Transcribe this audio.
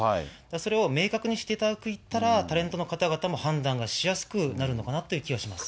それを明確にしていただけたら、タレントの方々も判断がしやすくなるのかなと思います。